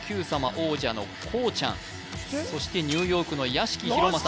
王者のこうちゃんそしてニューヨークの屋敷裕政